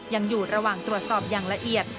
ยังอยู่ระหว่างตรวจสอบอย่างละเอียด